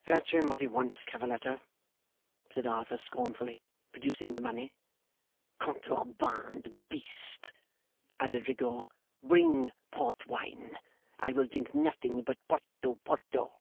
'Fetch him what he wants, Cavalletto,' said Arthur, scornfully, producing the money. 'Contraband beast,' added Rigaud, 'bring Port wine! I'll drink nothing but Porto Porto.